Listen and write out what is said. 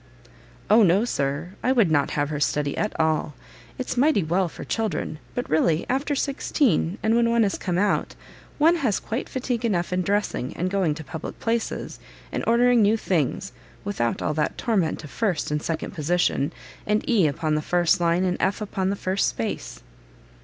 "O no, Sir, I would not have her study at all; it's mighty well for children, but really after sixteen, and when one is come out, one has quite fatigue enough in dressing, and going to public places, and ordering new things, without all that torment of first and second position, and E upon the first line, and F upon the first, space!"